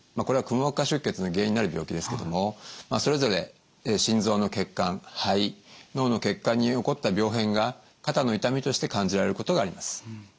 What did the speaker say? これはくも膜下出血の原因になる病気ですけどもそれぞれ心臓の血管肺脳の血管に起こった病変が肩の痛みとして感じられることがあります。